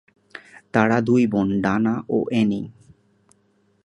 তার দুই বোন ডানা ও অ্যানি।